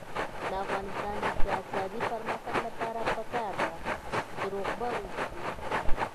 د افغانستان د اقتصادي پرمختګ لپاره پکار ده چې روغبړ وکړو.